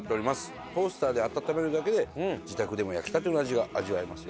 「トースターで温めるだけで自宅でも焼きたての味が味わえますよ」